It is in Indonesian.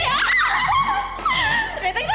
ternyata kita ketemu lagi